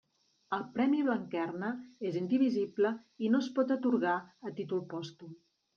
El Premi Blanquerna és indivisible i no es pot atorgar a títol pòstum.